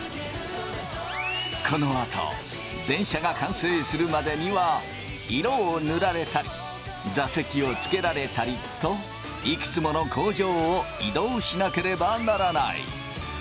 このあと電車が完成するまでには色を塗られたり座席をつけられたりといくつもの工場を移動しなければならない。